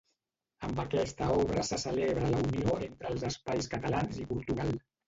Amb aquesta obra se celebra la unió entre els espais catalans i Portugal.